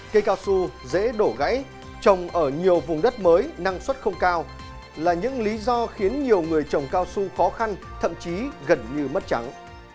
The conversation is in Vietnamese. cây cao su dễ đổ gãy trồng ở nhiều vùng đất mới năng suất không cao là những lý do khiến nhiều người trồng cao su khó khăn thậm chí gần như mất trắng